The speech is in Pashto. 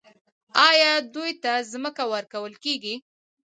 آیا دوی ته ځمکه ورکول کیږي؟